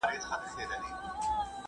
هغه د سولې او امن د خپرېدو هڅه کوله.